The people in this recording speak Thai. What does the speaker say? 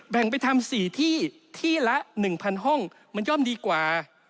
แบ่งไปทำ๔ที่๑พันห้องมันย่อมดีกว่า